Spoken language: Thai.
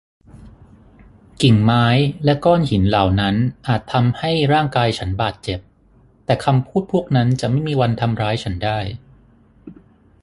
กิ่งไม้และก้อนหินเหล่านั้นอาจทำให้ร่างกายฉันบาดเจ็บ แต่คำพูดพวกนั้นจะไม่มีวันทำร้ายฉันได้